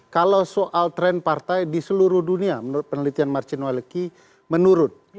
kalau soal tren partai di seluruh dunia menurut penelitian marcin waleki menurun